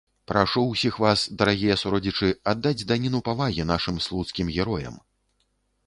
Прашу ўсіх вас, дарагія суродзічы, аддаць даніну павагі нашым слуцкім героям!